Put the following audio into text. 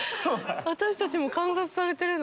私たちも観察されてるの？